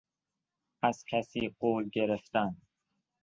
از کسی قول گرفتن